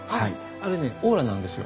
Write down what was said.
あれねオーラなんですよ。